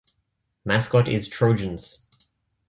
Mascot is Trojans.